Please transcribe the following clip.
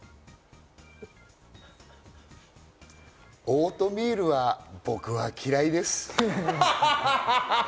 オートミールは僕は嫌いです。